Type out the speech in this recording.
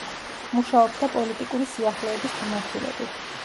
მუშაობდა პოლიტიკური სიახლეების მიმართულებით.